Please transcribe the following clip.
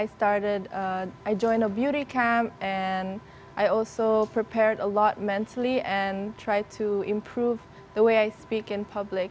saya bergabung dengan camp kecantikan dan saya juga berprepare banyak secara mental dan mencoba untuk meningkatkan cara saya berbicara secara publik